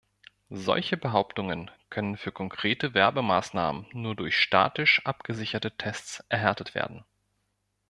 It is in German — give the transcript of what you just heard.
Solche Behauptungen können für konkrete Werbemaßnahmen nur durch statistisch abgesicherte Tests erhärtet werden.